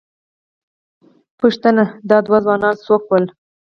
پوښتنه، دا دوه ځوانان څوک ول؟